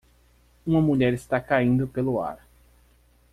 Uma mulher está caindo pelo ar.